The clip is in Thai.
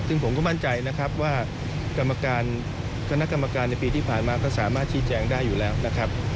ซึ่งผมก็มั่นใจนะครับว่ากรรมการคณะกรรมการในปีที่ผ่านมาก็สามารถชี้แจงได้อยู่แล้วนะครับ